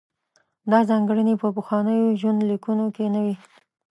دا ځانګړنې په پخوانیو ژوندلیکونو کې نه وې.